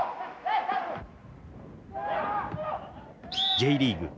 Ｊリーグ。